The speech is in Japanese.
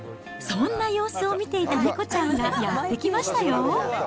そんな様子を見ていた猫ちゃんがやって来ましたよ。